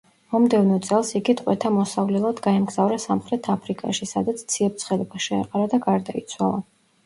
მომდევნო წელს იგი ტყვეთა მოსავლელად გაემგზავრა სამხრეთ აფრიკაში, სადაც ციებ-ცხელება შეეყარა და გარდაიცვალა.